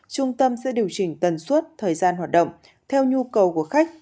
trung tâm sẽ điều chỉnh tần suất thời gian hoạt động theo nhu cầu của khách